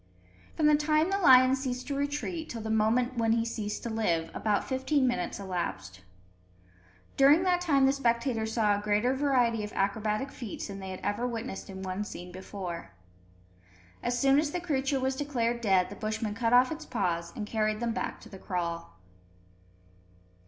From the time the lion ceased to retreat, till the moment when he ceased to live, about fifteen minutes elapsed. During that time the spectators saw a greater variety of acrobatic feats than they had ever witnessed in one scene before. As soon as the creature was declared dead, the Bushmen cut off its paws and carried them back to the kraal.